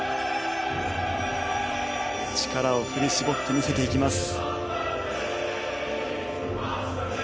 力を振り絞って見せていきます。